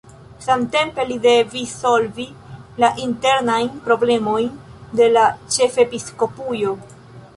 Samtempe li devis solvi la internajn problemojn de la ĉefepiskopujo.